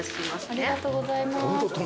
ありがとうございます。